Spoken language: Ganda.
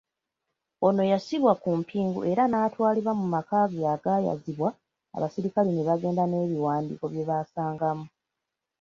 Ono yassibwa ku mpingu era naatwalibwa mu makage agaayazibwa, abasirikale ne bagenda nebiwandiiko byebasangamu.